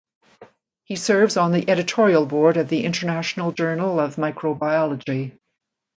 He serves on the Editorial board of the International Journal of Microbiology.